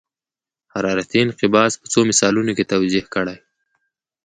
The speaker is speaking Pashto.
حرارتي انقباض په څو مثالونو کې توضیح کړئ.